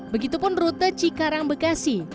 begitupun rute cikarang bekasi